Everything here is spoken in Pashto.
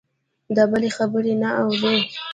د بل خبرې نه اوري.